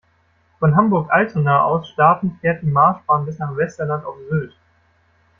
Von Hamburg-Altona aus startend fährt die Marschbahn bis nach Westerland auf Sylt.